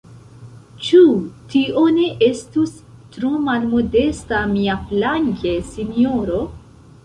Ĉu tio ne estus tro malmodesta miaflanke, sinjoro?